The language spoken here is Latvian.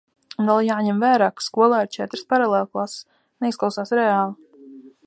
Un vēl jāņem vērā, ka skolā ir četras paralēlklases. Neizklausās reāli.